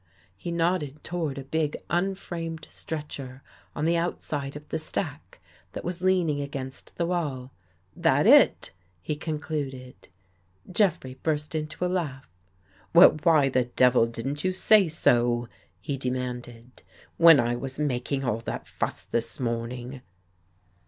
He nodded toward a big unframed stretcher on the outside of the stack that was leaning against the wall. " That it," he concluded. Jeffrey burst into a laugh. " Well, why the devil didn't you say so?" he demanded, — "when I was making all that fuss this morning?